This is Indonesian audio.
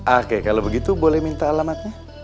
oke kalau begitu boleh minta alamatnya